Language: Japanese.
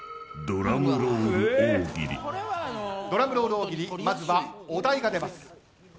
ドラムロール大喜利まずはお題が出ます。